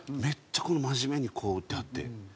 めっちゃ真面目にこう打ってはって。